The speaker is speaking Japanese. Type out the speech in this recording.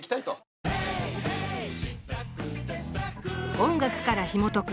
音楽からひもとく